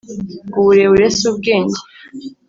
Uburebure si ubwenge.